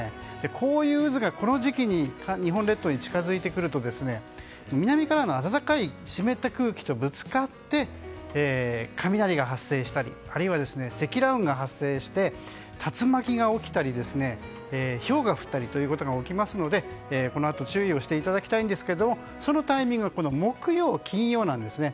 こういう渦がこの時期に日本列島に近づいてくると南からの暖かい湿った空気とぶつかって雷が発生したりあるいは積乱雲が発生して竜巻が起きたりひょうが降ったりというのが起きますので、このあと注意していただきたいんですけどそのタイミングが木曜、金曜なんですね。